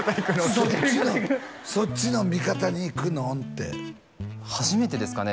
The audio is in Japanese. そっちのそっちの味方にいくのん？って初めてですかね